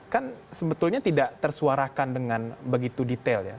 kan sebetulnya tidak tersuarakan dengan begitu detail ya